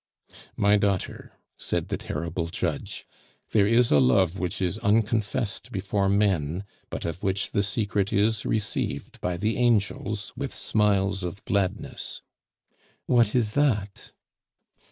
"My daughter," said the terrible judge, "there is a love which is unconfessed before men, but of which the secret is received by the angels with smiles of gladness." "What is that?"